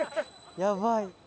やばい。